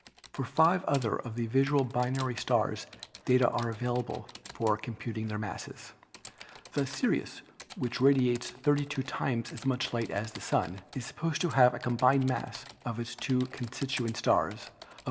For five other of the visual binary stars data are avail able for computing their masses. Thus Sirius, which radi ates 32 times as much light as the Sun, is supposed to have a combined mass for its two constituent stars of 3.